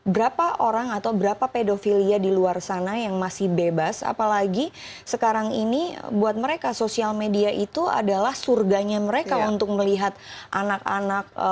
berapa orang atau berapa pedofilia di luar sana yang masih bebas apalagi sekarang ini buat mereka sosial media itu adalah surganya mereka untuk melihat anak anak